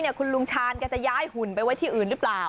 หุ่นทั้งหมดคุณลุงชานแกจะย้ายหุ่นไปไว้ที่อื่นหรือเปล่า